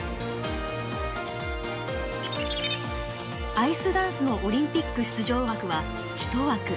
アイスダンスのオリンピック出場枠は１枠。